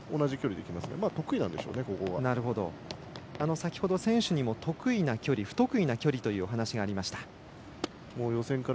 先ほど、選手にも得意な距離、不得意な距離という話がありました。